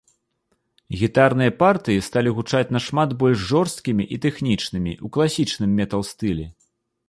Гітарныя партыі сталі гучаць нашмат больш жорсткім і тэхнічнымі, у класічным метал-стылі.